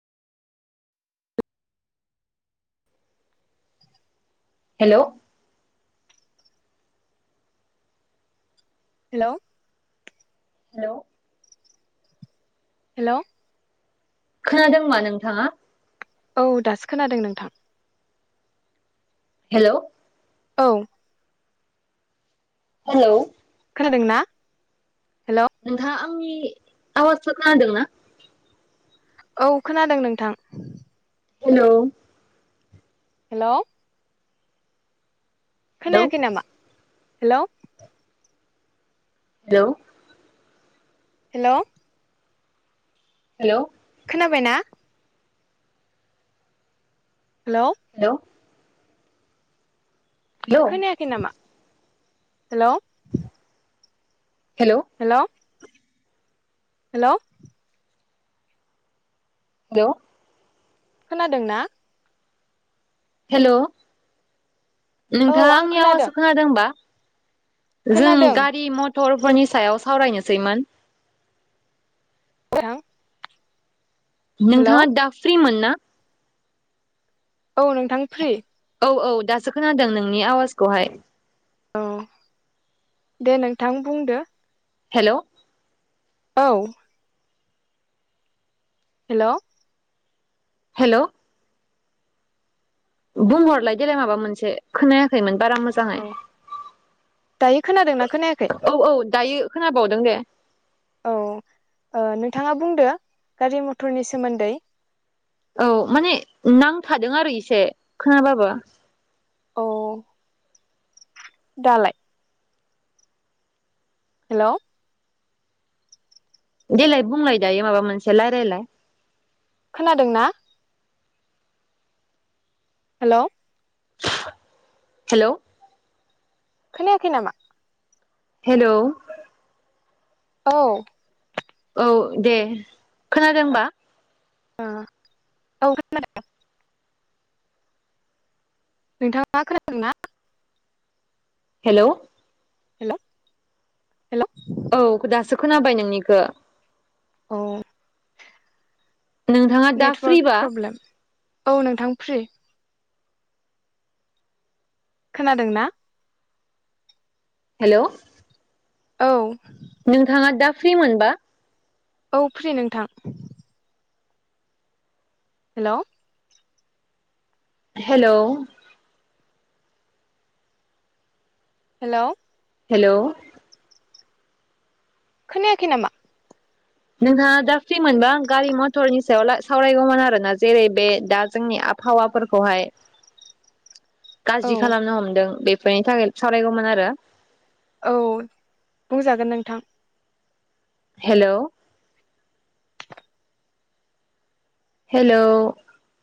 Hello hello hello hello खोनादों मा नोंथाङा। औ दासो खोनादों नोंथां। हेलौ औ हेलौ खोनादों ना? हेलौ नोंथाङा आंनि आवाजफोर खोनदों ना? औ खोनादों नोंथां हेल' हेल' हेलौ खोनायाखै नामा? हेल' हेल' हेल' हेल' खोनाबायना? हेल' हेलौ हेलौ खोनायाखै नामा? हेल' हेलौ हेल' हेल' हेलौ खोनादों ना? हेल' औ नोंथाङा आं आंनि आवासखौ खोनादों बा? जों खोनादों गारि मथर फोरनि सायाव सावरायनोसैमोन। [unintelligible] हेलौ नोंथाङा दा फ्रिमोन ना? [unintelligible] औ नोंथां फ्रि औ औ दासो खोनादों नोंनि आवाजखौहाय औ दे नोंथां बुंदो हेल' औ हेल' हेल' बुंहरलाय देलाय माबा मोनसे खोनायाखै मोन औ दायो खोनादोंना खोनायाखै? औ औ दायो खोनाबावदों दे औ नोंथाङा बुंदो गारि मथरनि सोमोन्दै औ माने नांथादों आरो इसे खोनाबाबो औ दालाय हेल' देलाय बुंलाय दायो माबा मोनसे रायलायलाय खोनादों ना? हेल' हेल' खोनायाखै नामा? हेल' औ औ दे खोनादों होनबा ओ औ खोनादों नोंथाङा खोनादों ना? हेलौ हेल' हेल' औ दासो खोनाबाय नोंनिखो औ नोंथाङा दा नेटवार्क फ्रिबा प्रब्लेम औ नोंथां फ्रि खोनादों ना? हेलौ औ नोंथाङा दा फ्रि मोनबा औ फ्रि नोंथां हेलौ हेलौ हेलौ हेलौ खोनायाखै नामा? नोंथाङा दा फ्रिमोनबा गारि मथरनि सायाव सावरायगौमोन आरोना जेरै बे दा जोंनि आबहावाफोरखौहाय औ गाज्रि खालामनो हमदों बे बेनि थाखायनो सावरायगौमोन आरो। औ बुंजागोन नोंथां। Hello hello